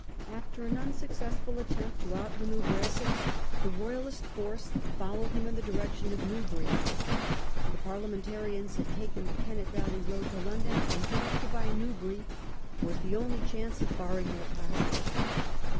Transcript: After an unsuccessful attempt to outmanoeuvre Essex the Royalist force followed him in the direction of Newbury. The Parliamentarians had taken the Kennet valley road to London, and to occupy Newbury was the only chance of barring their passage.